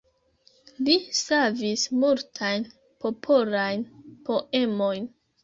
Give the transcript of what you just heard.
Li savis multajn popolajn poemojn.